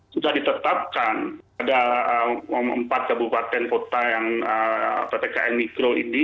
sudah ditetapkan ada empat kabupaten kota yang ppkm mikro ini